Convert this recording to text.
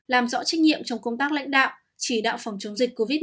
làm rõ trách nhiệm trong công tác lãnh đạo chỉ đạo phòng chống dịch covid một mươi chín